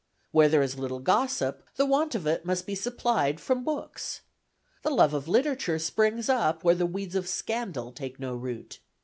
Where there is little gossip, the want of it must be supplied from books. The love of literature springs up where the weeds of scandal take no root.